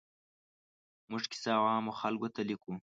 موږ کیسه عوامو خلکو ته لیکو.